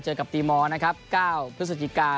เจอกับตีมอล๙พฤศจิกา